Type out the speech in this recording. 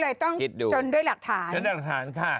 ก็เลยต้องชนด้วยหลักฐานค่ะ